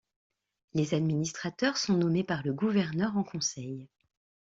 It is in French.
Les administrateurs sont nommés par le gouverneur en conseil.